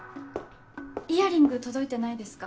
・イヤリング届いてないですか？